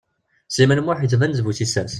Sliman U Muḥ yettban d bu tissas.